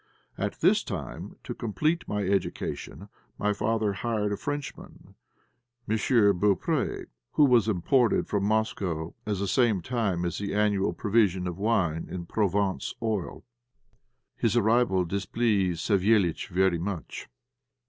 At this time, to complete my education, my father hired a Frenchman, M. Beaupré, who was imported from Moscow at the same time as the annual provision of wine and Provence oil. His arrival displeased Savéliitch very much.